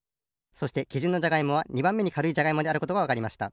そしてきじゅんのじゃがいもは２ばんめにかるいじゃがいもであることがわかりました。